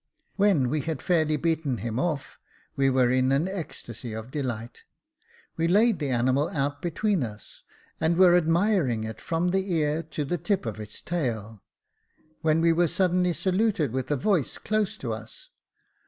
When Vv ^e had fairly beaten him off we were in an ecstacy of delight. We laid the animal out between us, and were admiring it from the ear to the tip of his tail, when we were suddenly saluted with a voice close to us.